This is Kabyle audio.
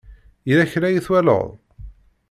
Yella kra i twalaḍ?